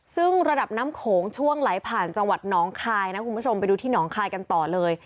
ซึ่งระดับน้ำโขงช่วงไหลผ่านจังหวัดหนองคายนะคุณผู้ชมไปดูที่หนองคายกันต่อเลย